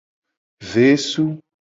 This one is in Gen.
Vesu.